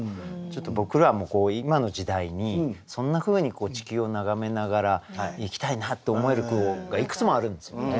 ちょっと僕らも今の時代にそんなふうに地球を眺めながら生きたいなって思える句がいくつもあるんですよね。